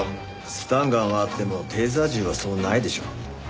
スタンガンはあってもテーザー銃はそうないでしょ。